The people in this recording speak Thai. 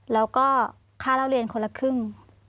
แล้วก็ค่าเล่าเรียนคนละครึ่ง